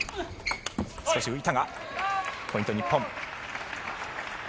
少し浮いたがポイント、日本。